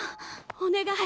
お願い！